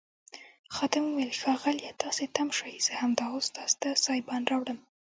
خادم وویل ښاغلیه تاسي تم شئ زه همدا اوس تاسي ته سایبان راوړم.